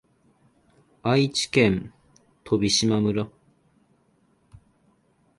愛知県飛島村